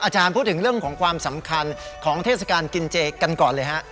พูดถึงเรื่องของความสำคัญของเทศกาลกินเจกันก่อนเลยฮะ